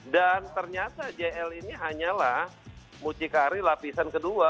dan ternyata jl ini hanyalah mucikari lapisan kedua